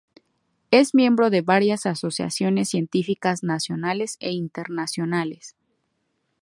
Es miembro de varias asociaciones científicas nacionales e internacionales.